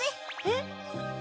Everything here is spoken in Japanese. えっ？